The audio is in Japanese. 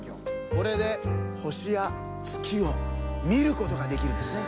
これでほしやつきをみることができるんですね。